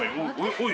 おい。